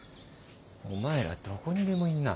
お前らどこにでもいるな。